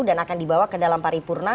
dan akan dibawa ke dalam paripurna